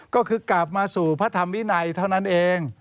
ก็คือกลับมาสู่พระธรรมวินัยเท่านั้นเอง